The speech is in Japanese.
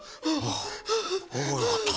ああよかった。